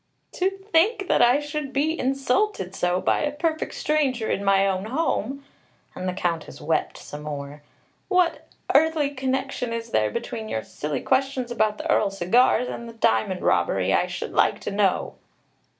"To think that I should be insulted so by a perfect stranger in my own home!" And the Countess wept some more. "What earthly connection is there between your silly questions about the Earl's cigars and the diamond robbery, I should like to know?"